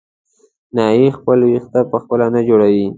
نایي خپل وېښته په خپله نه جوړوي.